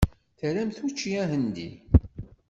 Tramt učči ahendi?